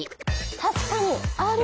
確かにある。